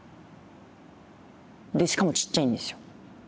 でしかもちっちゃいんですよ。